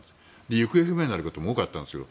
行方不明になることも多かったんですよ。